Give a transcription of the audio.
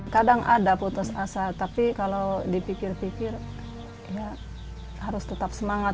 kadang ada putus asa tapi kalau dipikir pikir ya harus tetap semangat